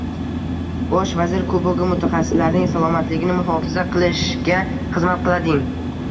“Bosh vazir kubogi” mutaxassislarning salomatligini muhofaza qilishga xizmat qilading